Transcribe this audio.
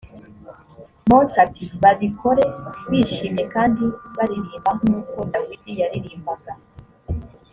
mose ati babikore bishimye kandi baririmba nk uko dawidi yaririmbaga